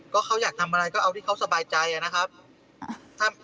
ก็เขาอยากทำอะไรก็เอาที่เขาสบายใจนะครับ